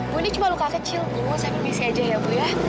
bu ini cuma luka kecil bu saya permisi aja ya bu